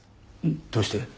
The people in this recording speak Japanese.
どうして？